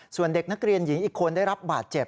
ส่วนเด็กนักเรียนหญิงอีกคนได้รับบาดเจ็บ